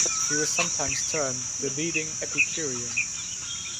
He was sometimes termed the leading Epicurean.